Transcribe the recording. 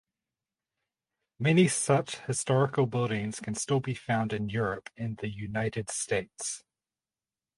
Many such historical buildings can still be found in Europe and the United States.